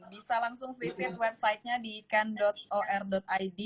bisa langsung visit websitenya di yikan forward id